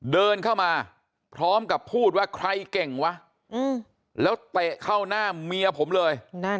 เดินเข้ามาพร้อมกับพูดว่าใครเก่งวะแล้วเตะเข้าหน้าเมียผมเลย